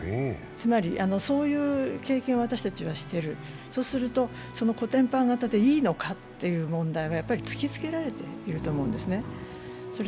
そういう経験は私たちはしている、そうするとコテンパン型でいいのかというのは突きつけられていると思うんです。